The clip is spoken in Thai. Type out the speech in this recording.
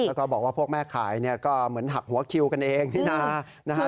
แล้วก็บอกว่าพวกแม่ขายเนี่ยก็เหมือนหักหัวคิวกันเองพี่นานะฮะ